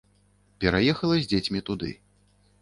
Пераехала з дзецьмі туды.